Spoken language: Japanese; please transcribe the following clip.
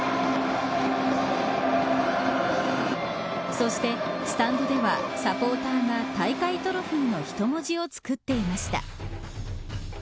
そして、スタンドではサポーターが大会トロフィーの人文字を作っていました。